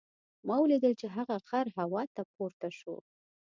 ما ولیدل چې هغه غر هوا ته پورته شو.